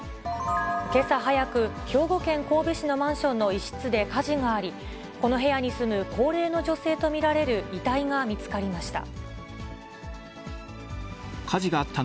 けさ早く、兵庫県神戸市のマンションの一室で火事があり、この部屋に住む高齢の女性と見られる遺体が見つかりました。